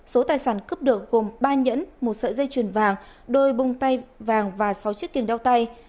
số tài sản cướp được gồm ba nhẫn một sợi dây chuyền vàng đôi bông tay vàng và sáu chiếc tiền đau tay